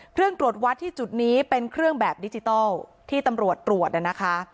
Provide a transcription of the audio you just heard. ตรวจวัดที่จุดนี้เป็นเครื่องแบบดิจิทัลที่ตำรวจตรวจนะคะ